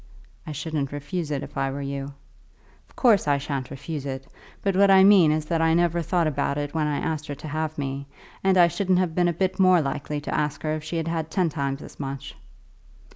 "I shouldn't refuse it if I were you." "Of course, I shan't refuse it; but what I mean is that I never thought about it when I asked her to have me; and I shouldn't have been a bit more likely to ask her if she had ten times as much."